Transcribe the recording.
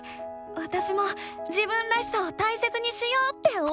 わたしも「自分らしさ」を大切にしようって思ったよ！